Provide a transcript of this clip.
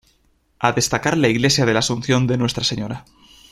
A destacar la Iglesia de la Asunción de Nuestra Señora.